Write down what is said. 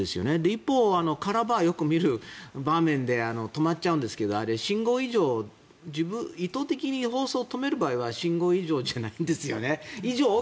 一方、カラーバーはよく見る止まっちゃうんですけどあれ、意図的に放送を止める場合は信号異常じゃないですよ。